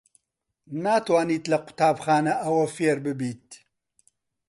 ناتوانیت لە قوتابخانە ئەوە فێر ببیت.